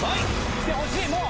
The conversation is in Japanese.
きてほしいもう！